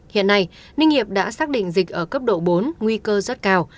hiện nay ninh hiệp đã xác định dịch ở cấp độ bốn nguy cơ rất cao